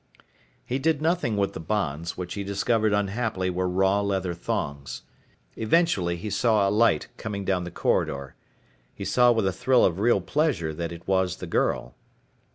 He did nothing with the bonds, which he discovered unhappily were raw leather thongs. Eventually he saw a light coming down the corridor. He saw with a thrill of real pleasure that it was the girl.